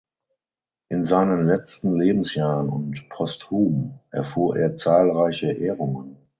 In seinen letzten Lebensjahren und posthum erfuhr er zahlreiche Ehrungen.